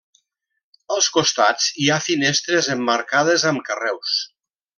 Als costats hi ha finestres emmarcades amb carreus.